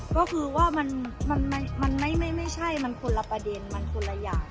ก็คือว่ามันไม่ใช่มันคนละประเด็นมันคนละอย่าง